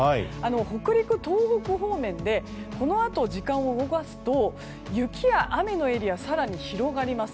北陸、東北方面でこのあと、時間を動かすと雪や雨のエリアが更に広がります。